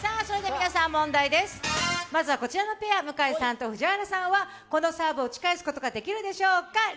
皆さん問題ですまずはこちらのペア向井さんと藤原さんはこのサーブを打ち返すことができるでしょうか。